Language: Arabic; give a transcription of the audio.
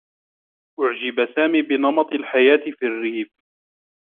أُعجب سامي بنمط الحياة في الرّيف.